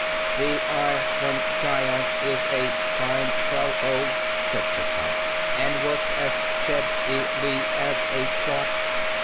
"The ir on gi ant is a fine fel low," said Tiktok, "and works as stead i ly as a clock.